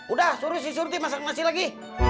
udah suruh si surti masak nasi lagi